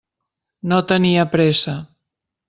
No tenia pressa.